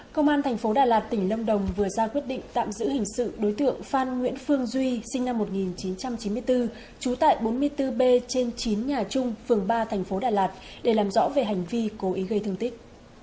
công an thành phố đà lạt tỉnh lâm đồng vừa ra quyết định tạm giữ hình sự đối tượng phan nguyễn phương duy sinh năm một nghìn chín trăm chín mươi bốn trú tại bốn mươi bốn b trên chín nhà trung phường ba thành phố đà lạt để làm rõ về hành vi cố ý gây thương tích